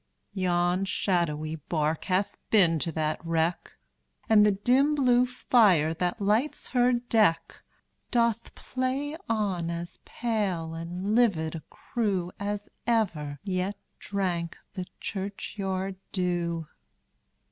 Yon shadowy bark hath been to that wreck, And the dim blue fire, that lights her deck, Doth play on as pale and livid a crew, As ever yet drank the churchyard dew.